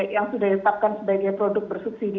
yang sudah ditetapkan sebagai produk bersubsidi